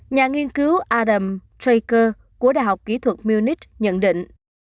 nhà nghiên cứu adam tra của đại học kỹ thuật munich nhận định